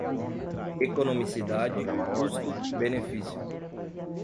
economicidade, custo, benefício